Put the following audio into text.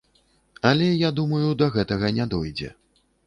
Але, я думаю, да гэтага не дойдзе.